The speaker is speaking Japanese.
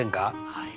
はい。